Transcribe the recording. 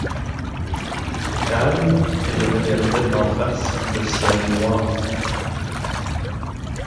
Calmes, ils regardaient en face le ciel noir